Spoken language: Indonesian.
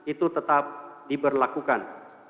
itu tetap diberlakukan